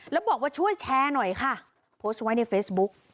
แล้วบอกว่าช่วยแชร์หน่อยค่ะโพสต์ไว้ในเฟซบุ๊ก